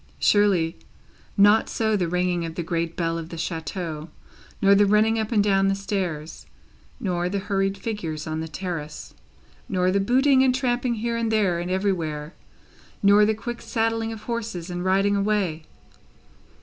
Surely, not so the ringing of the great bell of the chateau, nor the running up and down the stairs; nor the hurried figures on the terrace; nor the booting and tramping here and there and everywhere, nor the quick saddling of horses and riding away?